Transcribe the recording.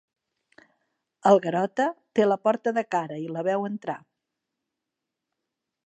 El Garota té la porta de cara i la veu entrar.